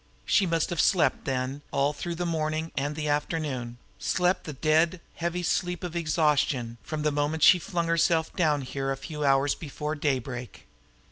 She must have slept, then, all through the morning and the afternoon, slept the dead, heavy sleep of exhaustion from the moment she had flung herself down here a few hours before daybreak.